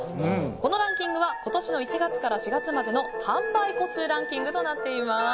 このランキングは今年の１月から４月までの販売個数ランキングとなっております。